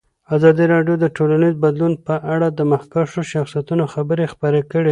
ازادي راډیو د ټولنیز بدلون په اړه د مخکښو شخصیتونو خبرې خپرې کړي.